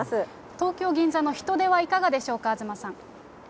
東京・銀座の人出はいかがでしょうか、東さん。